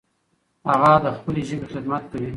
هغه د خپلې ژبې خدمت کوي.